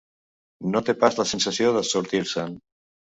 No té pas la sensació de sortir-se'n.